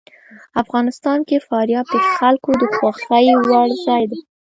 افغانستان کې فاریاب د خلکو د خوښې وړ ځای دی.